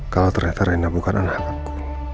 kalau ternyata rena bukan anak aku